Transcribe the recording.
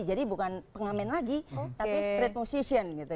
jadi bukan pengamen lagi tapi street musician gitu